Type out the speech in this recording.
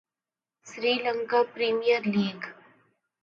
Sri Lanka Premier League